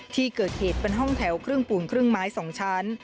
ที่เกิดเหตุเป็นห้องแถวครึ่งปูนครึ่งไม้๒ชั้น